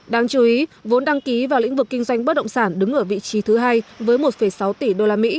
đáng chú ý vốn đăng ký vào lĩnh vực kinh doanh bất động sản đứng ở vị trí thứ hai với một sáu tỷ usd